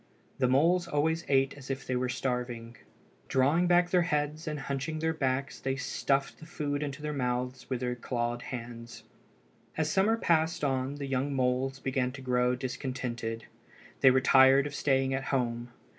The moles always ate as if they were starving. Drawing back their heads and hunching their backs they stuffed the food into their mouths with their clawed hands. As summer passed on the young moles began to grow discontented. They were tired of staying at home.